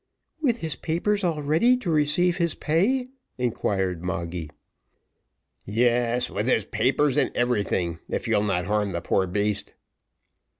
"With his papers all ready to receive his pay?" inquired Moggy. "Yes, with his papers and everything, if you'll not harm the poor beast."